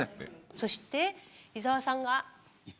そして伊澤さんが。